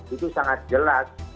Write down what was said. itu sangat jelas